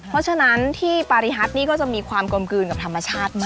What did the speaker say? เพราะฉะนั้นที่ปาริฮัทนี่ก็จะมีความกลมกลืนกับธรรมชาติมาก